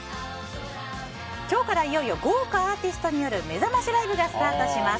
今日からいよいよ豪華アーティストによるめざましライブがスタートします。